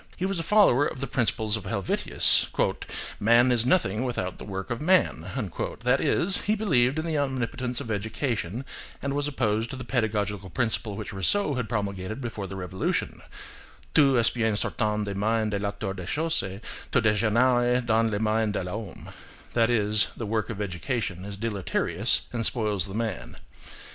He was a follower of the principles of Helvetius: "Man is nothing without the work of man"; that is, he believed in the omnipotence of education, and was opposed to the pedagogical principle which Rousseau had promulgated before the Revolution: "Tout est bien sortant des mains de l'Auteur des choses, tout dégénère dans les mains de l'homme,"–that is, the work of education is deleterious and spoils the man.